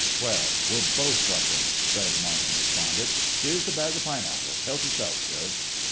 "Swell! We'll both rush 'em," Fred Marmon responded. "Here's the bag of pineapples.... Help yourself, sir."